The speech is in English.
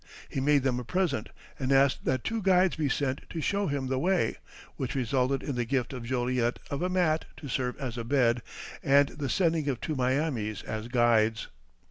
He made them a present and asked that two guides be sent to show him the way, which resulted in the gift to Joliet of a mat to serve as a bed, and the sending of two Miamis as guides.